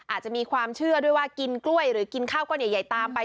อาจจะมีความเชื่อด้วยว่ากินกล้วยหรือกินข้าวก้อนใหญ่ตามไป